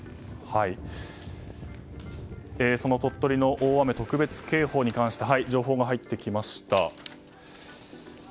その鳥取の大雨特別警報に関して情報が入ってきました。